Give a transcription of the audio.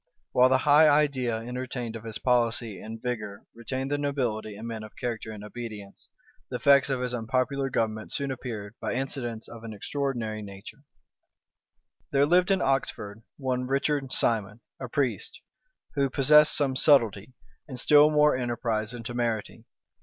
[*] While the high idea entertained of his policy and vigor retained the nobility and men of character in obedience, the effects of his unpopular government soon appeared, by incidents of an extraordinary nature. * Bacon, p. 583. There lived in Oxford one Richard Simon, a priest, who possessed some subtlety, and still more enterprise and temerity.